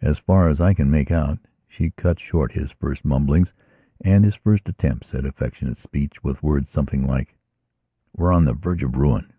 As far as I can make out she cut short his first mumblings and his first attempts at affectionate speech with words something like: "We're on the verge of ruin.